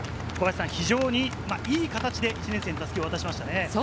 非常にいい形で１年生に襷を渡しましたね。